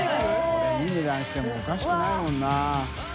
海いい値段してもおかしくないもんな。